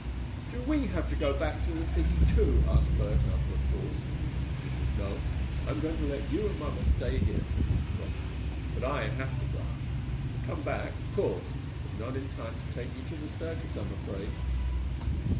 "Do we have to go back to the city, too?" asked Bert, after a pause. "No, I am going to let you and mamma stay here," said Mr. Bobbsey, "but I have to go. I'll come back, of course, but not in time to take you to the circus, I'm afraid."